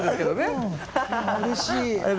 うれしい。